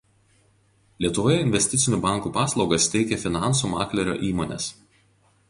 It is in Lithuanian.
Lietuvoje investicinių bankų paslaugas teikia Finansų maklerio įmonės.